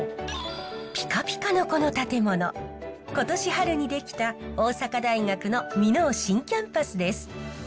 ピカピカのこの建物今年春に出来た大阪大学の箕面新キャンパスです。